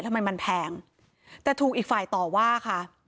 ทำไมมันแพงแต่ถูกอีกฝ่ายต่อว่าค่ะ